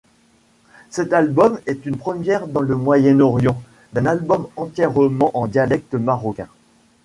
Cet album est une première dans le Moyen-Orient d'un album entièrement en dialecte marocain.